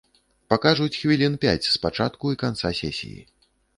Пакажуць хвілін пяць з пачатку і канца сесіі.